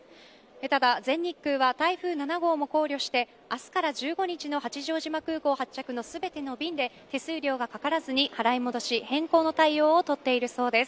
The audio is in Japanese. ただ全日空は台風７号も考慮して明日から１５日の八丈島空港発着の全ての便で手数料がかからずに払い戻し、変更の対応を取っているそうです。